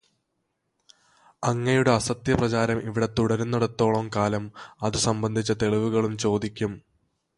അങ്ങയുടെ അസത്യപ്രചാരം ഇവിടെ തുടരുന്നിടത്തോളം കാലം അതു സംബന്ധിച്ച തെളിവുകളും ചോദിക്കും.